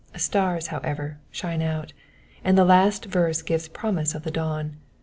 Stars, however, shine out, and the last verse gives promise of the dawn.